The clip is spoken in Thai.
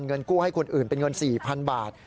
เงินกู้ให้คนอื่นเป็นเงิน๔๐๐๐บาท